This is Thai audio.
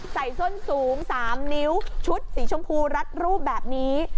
ส้นสูง๓นิ้วชุดสีชมพูรัดรูปแบบนี้